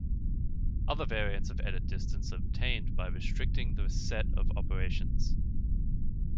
Other variants of edit distance are obtained by restricting the set of operations.